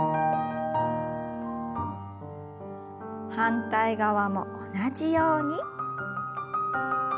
反対側も同じように。